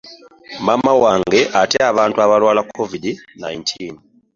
Maama wange atya abantu abaalwala ku covid nineteen.